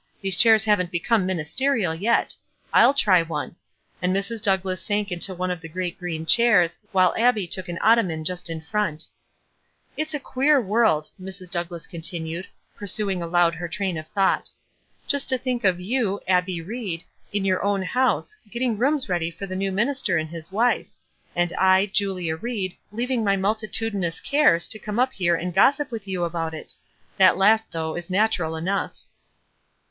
These chairs haven't become ministerial yet. I'll try one ;" and Mrs. Douglass sank into one of the great green chairs, while Abbie took an ottoman just in front. "It's a queer world," Mrs. Douglass contin ued, pursuing aloud her train of thought. "Just to think of you, Abbie Ried, in your own house, getting rooms ready for the new minister and his wife; and I, Julia Ried, leav ing my multitudinous cares to come up here and gossip with you about it I That last, though, is natural enough."